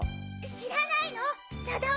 知らないの？